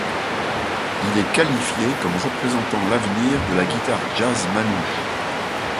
Il est qualifié comme représentant l'avenir de la guitare jazz manouche.